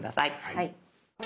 はい。